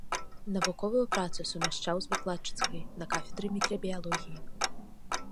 Навуковую працу сумяшчаў з выкладчыцкай на кафедры мікрабіялогіі.